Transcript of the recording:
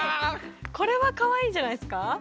これはカワイイんじゃないですか？